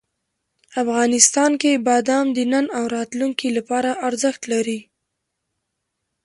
افغانستان کې بادام د نن او راتلونکي لپاره ارزښت لري.